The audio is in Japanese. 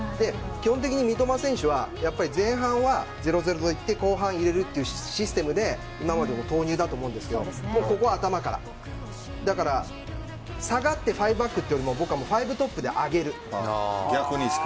基本的に三笘選手は前半は０対０でいって後半で入れるというシステムで今までの投入だと思うんですけど、ここは頭からだから下がって５バックというよりも僕は逆にですか。